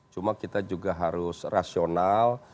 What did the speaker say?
cuma kita juga harus rasional